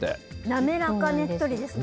滑らかねっとりですね。